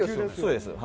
そうです。